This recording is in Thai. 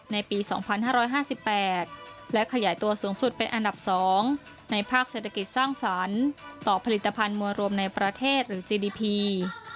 ในปีสองพันห้าร้อยห้าสิบแปดและขยายตัวสูงสุดเป็นอันดับสองในภาคเศรษฐกิจสร้างสรรค์ต่อผลิตภัณฑ์มวลรวมในประเทศหรือจีดีพี